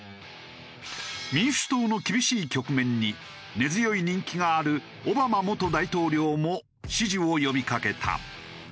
民主党の厳しい局面に根強い人気があるオバマ元大統領も支持を呼びかけた。